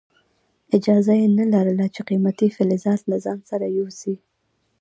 اجازه یې نه لرله چې قیمتي فلزات له ځان سره یوسي.